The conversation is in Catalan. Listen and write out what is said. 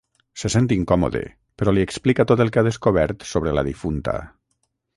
Se sent incòmode, però li explica tot el que ha descobert sobre la difunta.